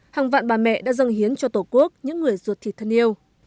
hàng vạn bà mẹ đã dâng hiến cho tổ quốc những người ruột thịt thân yêu